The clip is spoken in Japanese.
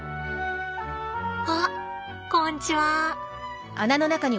あっこんちは。